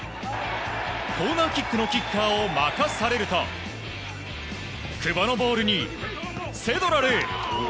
コーナーキックのキッカーを任されると久保のボールにセドラル！